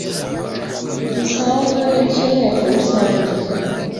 gisanzwe cy inteko rusange